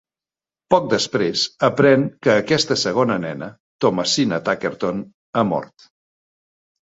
Poc després aprèn que aquesta segona nena, Thomasina Tuckerton, ha mort.